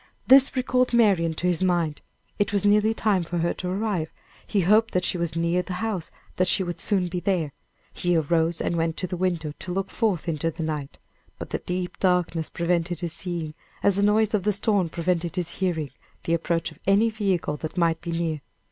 This recalled Marian to his mind; it was nearly time for her to arrive; he hoped that she was near the house; that she would soon be there; he arose and went to the window to look forth into the night; but the deep darkness prevented his seeing, as the noise of the storm prevented his hearing the approach of any vehicle that might be near.